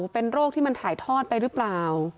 เป็นโรคที่มันถ่ายทอดไปหรือเปล่า